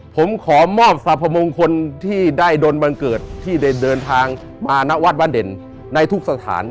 ผมขอมอบสรรพมงคลที่ได้ดนบังเกิดที่ได้เดินทางมาณวัดบ้านเด่นในทุกสถาน